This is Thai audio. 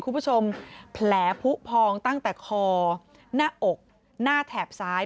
คุณผู้ชมแผลผู้พองตั้งแต่คอหน้าอกหน้าแถบซ้าย